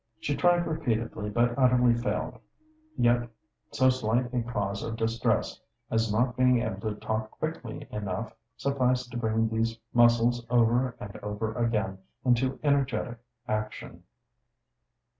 She tried repeatedly, but utterly failed; yet so slight a cause of distress as not being able to talk quickly enough, sufficed to bring these muscles over and over again into energetic action.